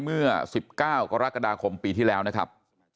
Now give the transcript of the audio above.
เมื่อ๑๙กรกฎาคมปีที่แล้วนะครับ